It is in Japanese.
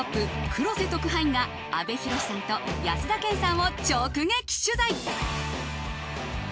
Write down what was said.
黒瀬特派員が阿部寛さんと安田顕さんを直撃取材。